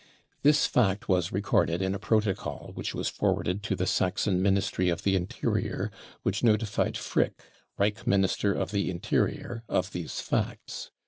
This fact was recorded in a protocol, * which was forwarded to the Saxon Ministry of the Interior, which notified Frick, Reich Minister of the Interior, of these facts.